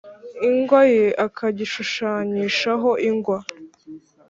Ingwa ye akagishushanyishaho ingwa